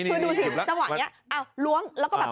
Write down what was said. คือดูสิจังหวะนี้อ้าวล้วงแล้วก็แบบควักออกมา